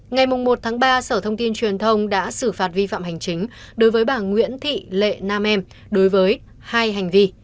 ngày một ba sở thông tin truyền thông đã xử phạt vi phạm hành chính đối với bà nguyễn thị lệ nam em đối với hai hành vi